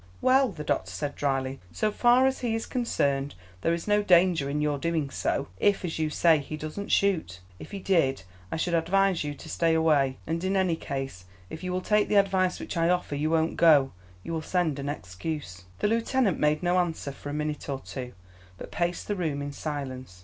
"Well," the doctor said, drily, "so far as he is concerned, there is no danger in your doing so, if, as you say, he doesn't shoot. If he did, I should advise you to stay away; and in any case, if you will take the advice which I offer, you won't go. You will send an excuse." The lieutenant made no answer for a minute or two, but paced the room in silence.